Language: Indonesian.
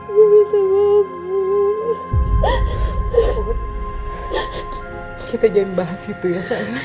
kita jangan bahas itu ya